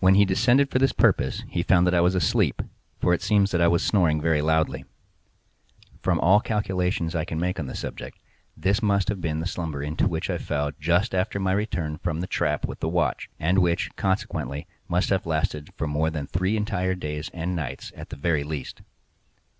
When he descended for this purpose he found that I was asleep, for it seems that I was snoring very loudly. From all the calculations I can make on the subject, this must have been the slumber into which I fell just after my return from the trap with the watch, and which, consequently, must have lasted for more than three entire days and nights at the very least.